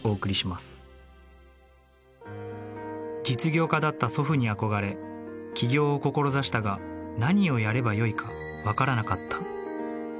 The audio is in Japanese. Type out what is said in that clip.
実業家だった祖父に憧れ起業を志したが何をやればよいかわからなかった。